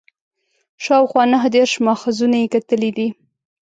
شاوخوا نهه دېرش ماخذونه یې کتلي دي.